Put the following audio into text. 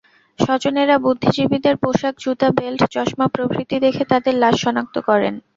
স্বজনেরা বুদ্ধিজীবীদের পোশাক, জুতা, বেল্ট, চশমা প্রভৃতি দেখে তাঁদের লাশ শনাক্ত করেন।